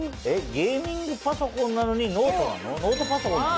ゲーミングパソコンなのにノートパソコンなの？